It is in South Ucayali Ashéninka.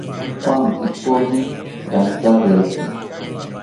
Juan ikoyi rantawete